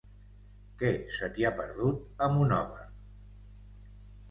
Què se t'hi ha perdut, a Monòver?